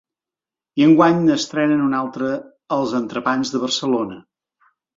I enguany n’estrenen un altre: els entrepans de Barcelona.